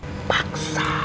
iya ya pak komar